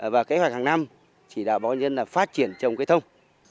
và kế hoạch hàng năm chỉ đạo bỏ nhân dân phát triển trong cây thông